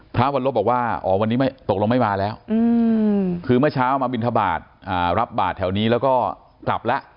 พระวรรลบบอกว่าอ๋อวันนี้ตกลงไม่มาแล้วคือเมื่อเช้ามาบินทบาทรับบาทแถวนี้แล้วก็กลับแล้ว